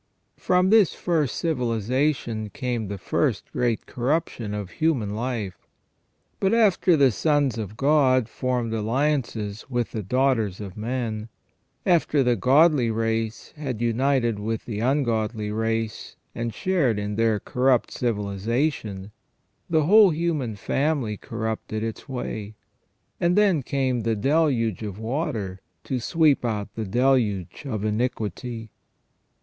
From this first civilization came the first great corruption of human life. But after the sons of God formed alliances with the daughters of men, after the godly race had united with the ungodly race and shared in their corrupt civilization, the whole human family cor rupted its way, and then came the deluge of water to sweep out the deluge of iniquity.